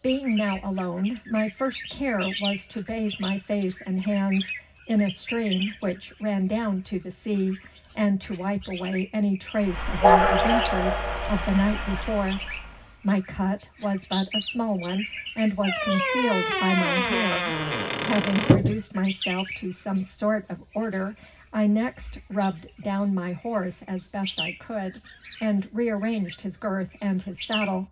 Being now alone, my first care was to bathe my face and hands in a stream which ran down to the sea, and to wipe away any trace of my adventures of the night before. My cut was but a small one, and was concealed by my hair. Having reduced myself to some sort of order I next rubbed down my horse as best I could, and rearranged his girth and his saddle.